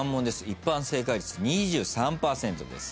一般正解率２３％です。